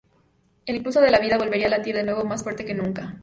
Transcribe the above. El pulso de la vida volvería a latir de nuevo, más fuerte que nunca".